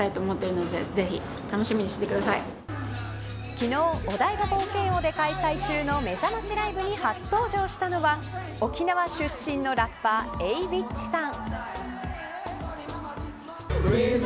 昨日、お台場冒険王で開催中のめざましライブに初登場したのは沖縄出身のラッパーＡｗｉｃｈさん。